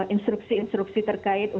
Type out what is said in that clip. instruksi instruksi terkait untuk